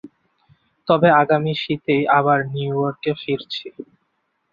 তবে আগামী শীতেই আবার নিউ ইয়র্কে ফিরছি।